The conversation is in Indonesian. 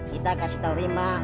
kita kasih tau rimah